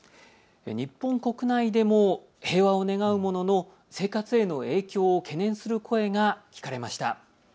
日本国内でも平和を願うものの生活への影響を懸念する声が聞かれました。